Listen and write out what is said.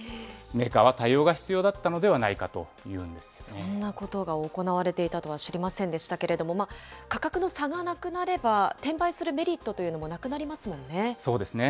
メーカーは対応が必要だったのでそんなことが行われていたとは知りませんでしたけれども、価格の差がなくなれば、転売するメリットというのもなくなりますもんね。